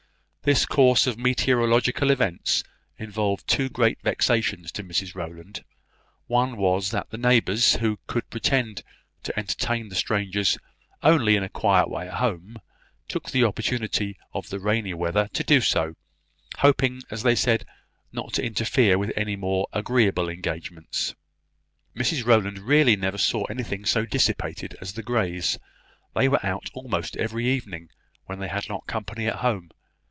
This course of meteorological events involved two great vexations to Mrs Rowland. One was, that the neighbours, who could pretend to entertain the strangers only in a quiet way at home, took the opportunity of the rainy weather to do so, hoping, as they said, not to interfere with any more agreeable engagements. Mrs Rowland really never saw anything so dissipated as the Greys; they were out almost every evening when they had not company at home.